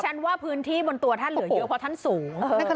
ว่าพื้นที่บนตัวท่านเหลือเยอะเพราะท่านสูง